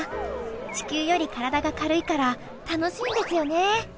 地球より体が軽いから楽しいんですよね。